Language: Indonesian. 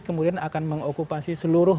kemudian akan mengokupasi seluruh